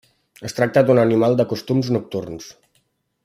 Es tracta d'un animal de costums nocturns.